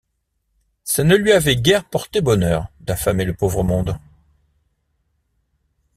Ça ne lui avait guère porté bonheur, d’affamer le pauvre monde.